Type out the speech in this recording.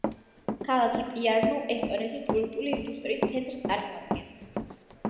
ქალაქი პიარნუ ესტონეთის ტურისტული ინდუსტრიის ცენტრს წარმოადგენს.